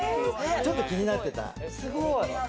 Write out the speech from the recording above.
ちょっと気になってた。